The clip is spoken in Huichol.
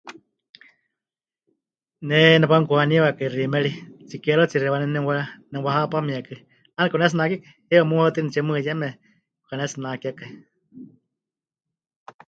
Ne nepanukuhaniwakai xiimeri tsikeerutsiixi waníu nemɨwa... nemɨwahapamiekɨ, 'aana pɨkanetsinakekai, heiwa muhaɨtɨnitsie mɨɨkɨ yeme pɨkanetsinakekai.